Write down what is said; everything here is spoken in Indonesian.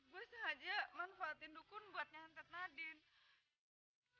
gue sengaja manfaatin dukun buat nyantet nadine